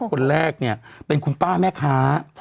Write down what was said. คนแรกเนี่ยเป็นคุณป้าแม่ค้า